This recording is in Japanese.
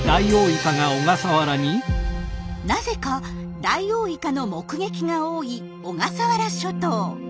なぜかダイオウイカの目撃が多い小笠原諸島。